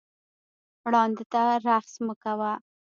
ړانده ته رخس مه کوه